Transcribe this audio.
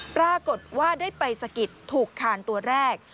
ปรากฏว่าได้ไปสะกิดถูกคานตัวแรก